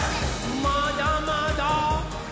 まだまだ！